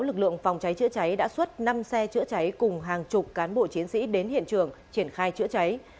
lực lượng phòng cháy chữa cháy đã xuất năm xe chữa cháy cùng hàng chục cán bộ chiến sĩ đến hiện trường triển khai chữa cháy